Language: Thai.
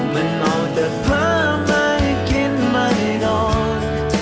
มันเมาแต่พระไม่กินไม่นอน